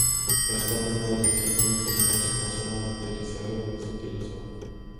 Esta fue una de las cinco ubicaciones la zona de aterrizaje donde se utilizó.